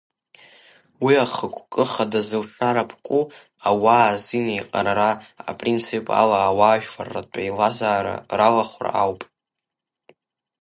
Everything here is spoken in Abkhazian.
Уи ахықәкы хада зылшара ԥку ауаа азинеиҟарара апринцип ала ауаажәларратә еилазаара ралахәра ауп.